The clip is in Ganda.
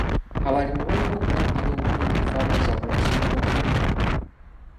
Abalimi balina okulabirira obulungi ffaamu zaabwe okusobola okufunamu.